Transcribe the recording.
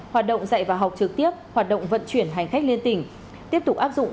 hoạt động dạy và học trực tiếp hoạt động vận chuyển hành khách liên tỉnh tiếp tục áp dụng